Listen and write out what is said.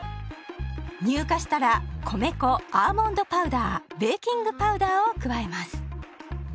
乳化したら米粉アーモンドパウダーベーキングパウダーを加えます。